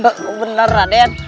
enggak bener raden